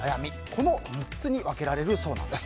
この３つに分けられるそうなんです。